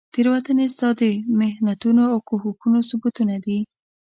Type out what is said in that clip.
تیروتنې ستا د محنتونو او کوښښونو ثبوتونه دي.